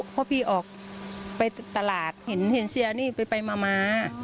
เพราะพี่ออกไปตลาดเห็นเสียนี่ไปมา